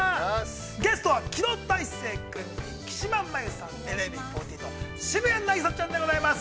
ゲストは、木戸大聖君、木嶋真優さん、ＮＭＢ４８の渋谷凪咲ちゃんでございます。